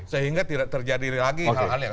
sehingga tidak terjadi lagi hal hal yang seperti ini